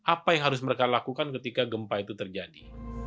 apa yang harus mereka lakukan ketika gempa itu terjadi